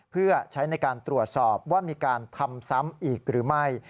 เพื่อใช้ในการตรวจสอบว่ามีการทำซ้ำอีกหรือไม่